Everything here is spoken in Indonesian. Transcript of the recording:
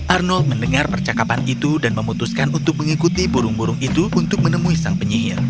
arnold mendengar percakapan itu dan memutuskan untuk mengikuti burung burung itu untuk menemui sang penyihir